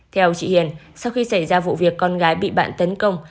theo chị hiền sau khi xảy ra vụ việc con gái bị bạn tấn công